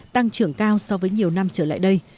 tăng trưởng cao so với nhiều năm trở lại đây